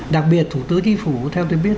đặc biệt thủ tướng chính phủ theo tôi biết